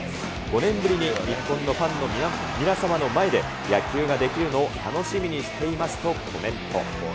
５年ぶりに日本のファンの皆様の前で野球ができるのを楽しみにしていますとコメント。